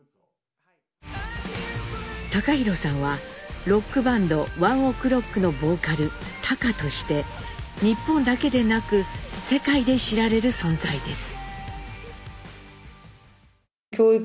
貴寛さんはロックバンドＯＮＥＯＫＲＯＣＫのボーカルＴａｋａとして日本だけでなく世界で知られる存在です。